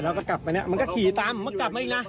แล้วเขากลับมามันก็ขี่ตามเขากลับมาอีกนะ